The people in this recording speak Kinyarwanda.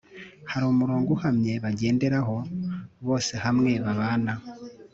hari umurongo uhamye bagenderaho, bose hamwe babana